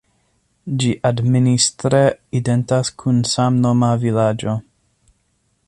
Ĝi administre identas kun samnoma vilaĝo.